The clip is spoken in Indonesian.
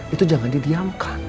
itu jangan didiamkan